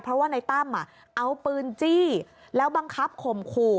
เพราะว่าในตั้มเอาปืนจี้แล้วบังคับข่มขู่